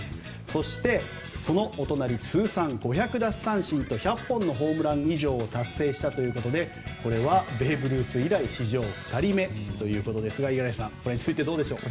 そして、通算５００奪三振と１００本のホームラン以上を達成したということでこれはベーブ・ルース以来史上２人目ということですがこれについてどうでしょうか。